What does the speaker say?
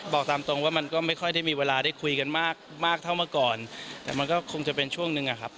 บอกตามตรงว่ามันก็ไม่ค่อยได้มีเวลาได้คุยกันมากมากเท่าเมื่อก่อนแต่มันก็คงจะเป็นช่วงหนึ่งอะครับ